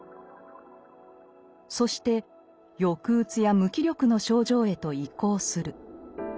そして抑うつや無気力の症状へと移行する。